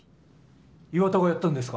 岩田がやったんですか？